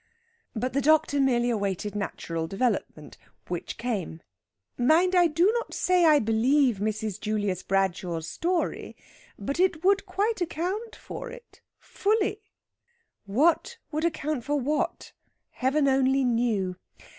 But the doctor merely awaited natural development, which came. "Mind, I do not say I believe Mrs. Julius Bradshaw's story. But it would quite account for it fully!" What would account for what? Heaven only knew!